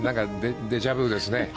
デジャブですね。